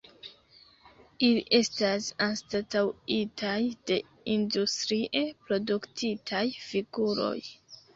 Ili estas anstataŭitaj de industrie produktitaj figuroj.